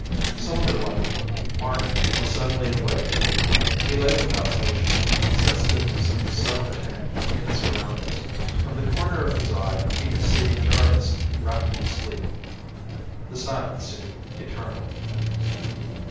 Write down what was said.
Soldierlike, Mark was suddenly awake. He lay without motion, sensitive to some subtle change in the surroundings. From the corner of his eye he could see Jarvis wrapped in sleep. The silence seemed eternal.